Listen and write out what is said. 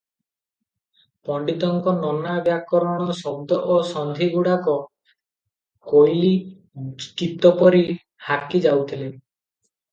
ପଣ୍ତିତଙ୍କ ନନା ବ୍ୟାକରଣ ଶଦ୍ଦ ଓ ସନ୍ଧିଗୁଡ଼ାକ କୋଇଲି - ଗୀତ ପରି ହାକିଯାଉଥିଲେ ।